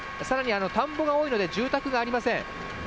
さらに田んぼが多いので住宅がありません。